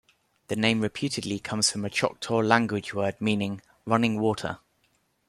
The name reputedly comes from a Choctaw language word meaning "running water".